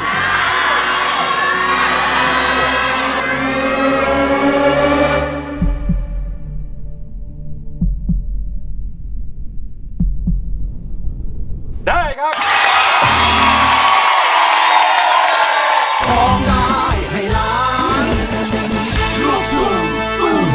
สำหรับเพลงที่๒มูลค่า๒๐๐๐๐บาท